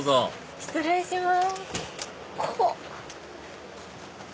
失礼します。